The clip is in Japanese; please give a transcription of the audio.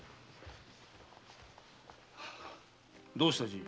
どうしたじい？